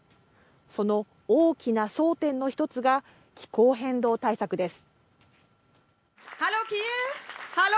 その大きな争点の１つが気候変動対策です。